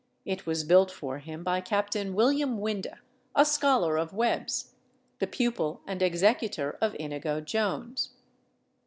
It was built for him by Captain William Winde, a scholar of Webbe's, the pupil and executor of Inigo Jones.